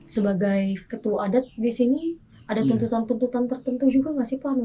sebagai ketua adat di sini ada tuntutan tuntutan tertentu juga nggak sih pak